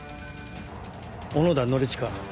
小野田則親。